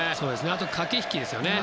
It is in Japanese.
あと駆け引きですよね。